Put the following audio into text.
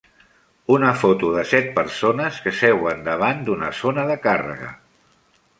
Una foto de set persones que seuen davant d'una zona de càrrega.